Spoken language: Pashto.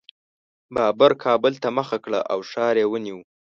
بابر کابل ته مخه کړه او ښار یې ونیو.